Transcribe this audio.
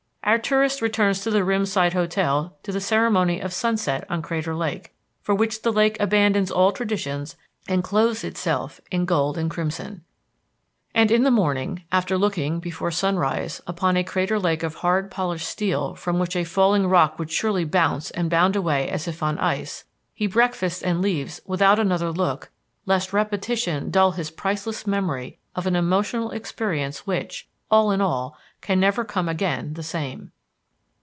Our tourist returns to the rim side hotel to the ceremony of sunset on Crater Lake, for which the lake abandons all traditions and clothes itself in gold and crimson. And in the morning after looking, before sunrise, upon a Crater Lake of hard polished steel from which a falling rock would surely bounce and bound away as if on ice, he breakfasts and leaves without another look lest repetition dull his priceless memory of an emotional experience which, all in all, can never come again the same.